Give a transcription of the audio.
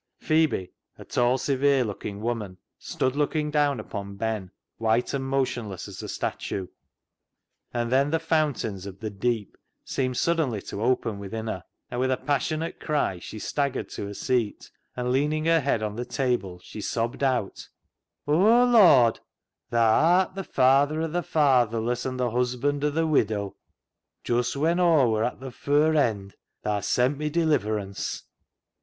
Phebe, a tall, severe looking woman, stood looking down upon Ben, white and motionless as a statue, and then the fountains of the deep seemed suddenly to open within her, and with a passionate cry she staggered to a seat, and leaning her head on the table, she sobbed out —" O Lord, Thaa art * the Father of the fatherless, and the Husband of the widow '! just when Aw were at th' fur end Thaa's sent me deliverance."